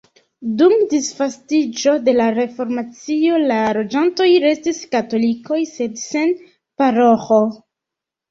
Dum disvastiĝo de la reformacio la loĝantoj restis katolikoj sed sen paroĥo.